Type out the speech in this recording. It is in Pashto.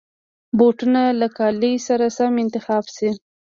بوټونه له کالي سره سم انتخاب شي.